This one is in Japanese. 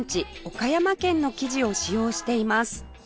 岡山県の生地を使用しています